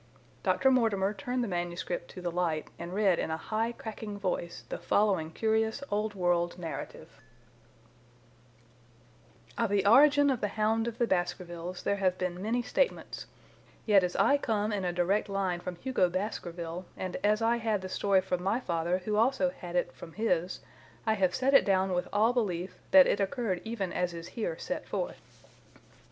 Dr. Mortimer turned the manuscript to the light and read in a high, cracking voice the following curious, old world narrative: "Of the origin of the Hound of the Baskervilles there have been many statements, yet as I come in a direct line from Hugo Baskerville, and as I had the story from my father, who also had it from his, I have set it down with all belief that it occurred even as is here set forth.